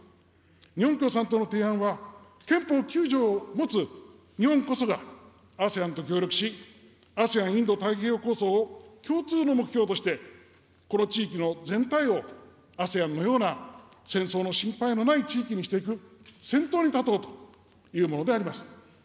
日本共産党の提案は、憲法９条を持つ日本こそが、ＡＳＥＡＮと協力し、ＡＳＥＡＮインド太平洋構想を共通の目標として、この地域の全体をＡＳＥＡＮのような戦争の心配のない地域にしていく、先頭に立とうというものであります。